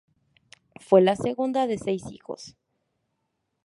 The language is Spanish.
Fue la segunda de seis hijos.